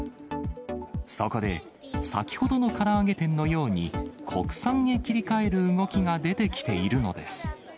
そこで、先ほどのから揚げ店のように、国産へ切り替える動きが出てきているのです。